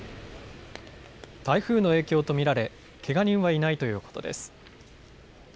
台風の影響と見られけが人はいないということです。